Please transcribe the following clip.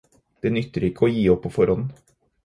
Det nytter ikke å gi opp på forhånd.